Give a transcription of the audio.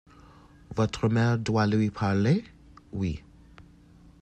—Votre mère doit lui parler ? —Oui.